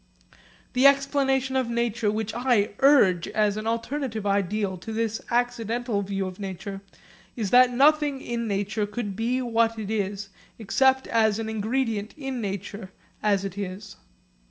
The explanation of nature which I urge as an alternative ideal to this accidental view of nature, is that nothing in nature could be what it is except as an ingredient in nature as it is.